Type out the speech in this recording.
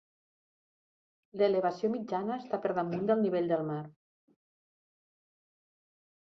L'elevació mitjana està per damunt del nivell del mar.